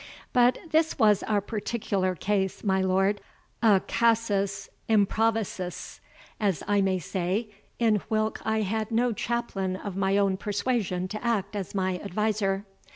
But this was a particular case, my lord, a CASUS IMPROVISUS, as I may say, in whilk I had no chaplain of my own persuasion to act as my adviser.